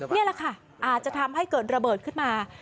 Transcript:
นี่แหละค่ะอาจจะทำให้เกิดระเบิดขึ้นมา